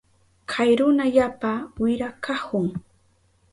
Kay runa yapa wira kahun.